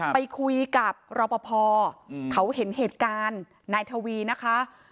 ไปคุยกับรอปภเขาเห็นเหตุการณ์นายทวีนะคะ